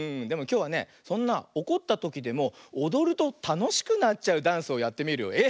でもきょうはねそんなおこったときでもおどるとたのしくなっちゃうダンスをやってみるよ。